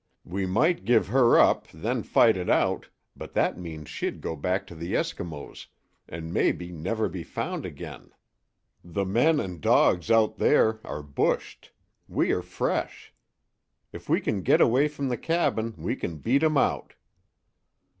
We might give her up, then fight it out, but that means she'd go back to the Eskimos, 'n' mebbe never be found again. The men and dogs out there are bushed. We are fresh. If we can get away from the cabin we can beat 'em out."